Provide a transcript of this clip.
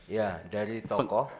ya dari tokoh